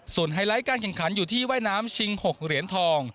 ไฮไลท์การแข่งขันอยู่ที่ว่ายน้ำชิง๖เหรียญทอง